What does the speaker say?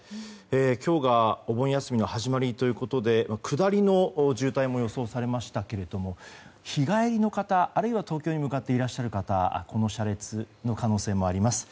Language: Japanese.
今日がお盆休みの始まりということで下りの渋滞も予想されましたけども日帰りの方あるいは東京に向かっていらっしゃる方この車列の可能性もあります。